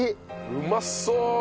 うまそう！